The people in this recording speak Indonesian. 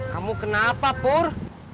kamu kenapa pur